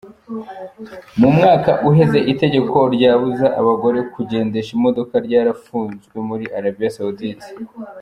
Mu mwaka uheze itegeko ryabuza abagore kugendesha imodoka ryarafuswe muri Arabie Saoudite.